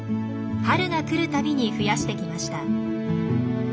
春が来る度に増やしてきました。